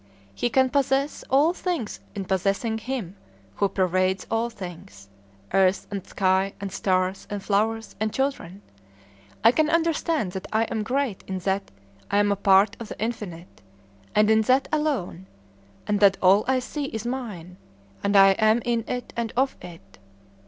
He can possess all things in possessing Him who pervades all things, earth, and sky, and stars, and flowers, and children. I can understand that I am great in that I am a part of the Infinite, and in that alone; and that all I see is mine, and I am in it and of it.